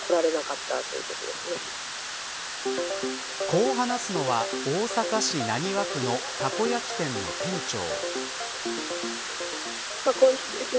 こう話すのは大阪市浪速区のたこ焼き店の店長。